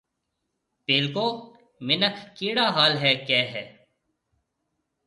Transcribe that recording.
پيلڪو مِنک ڪهيَڙا حال هيَ ڪهيَ هيَ۔